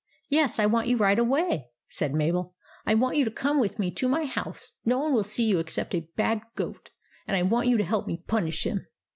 " Yes, I want you right away," said Mabel. " I want you to come with me to my house. No one will see you except a bad goat, and I want you to help me punish him."